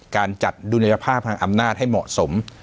การจัดดุลยภาพทางอำนาจให้เหมาะสม